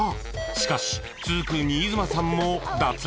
［しかし続く新妻さんも脱落］